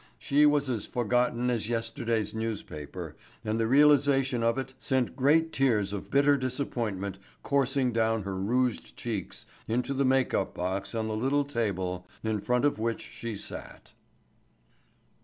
She was as forgotten as yesterday's newspaper and the realization of it sent great tears of bitter disappointment coursing down her rouged cheeks into the make up box on the little table in front of which she sat.